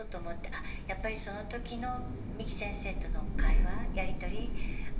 あやっぱりその時の三木先生との会話やり取りあ